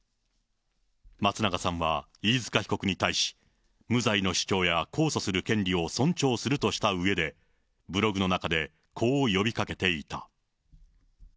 松永さんは飯塚被告に対し、無罪の主張や控訴する権利を尊重するとしたうえで、ブログの中で、こう呼びかけていた。